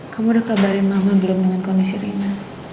kamu udah kabarin mama belum dengan kondisi rina